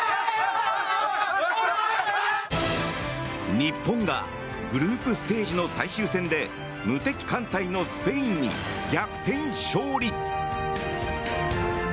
日本がグループステージの最終戦で無敵艦隊のスペインに逆転勝利。